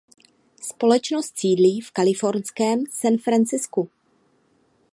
Společnost sídlí v kalifornském San Francisku.